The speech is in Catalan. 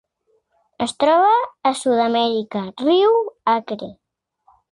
Es troba a Sud-amèrica: riu Acre.